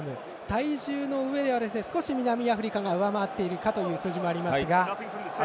体重の上では少し南アフリカが上回っているかという数字もありますが。